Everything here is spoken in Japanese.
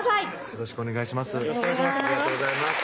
よろしくお願いします